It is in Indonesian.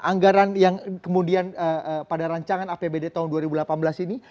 anggaran yang kemudian pada rancangan apbd tahun dua ribu delapan belas ini